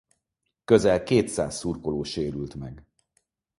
Közel kétszáz szurkoló sérült meg.